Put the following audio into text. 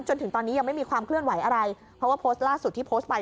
จนถึงตอนนี้ยังไม่มีความเคลื่อนไหวอะไรเพราะว่าโพสต์ล่าสุดที่โพสต์ไป